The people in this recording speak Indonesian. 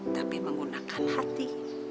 tapi menggunakan hati